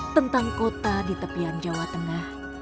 tentang kota di tepian jawa tengah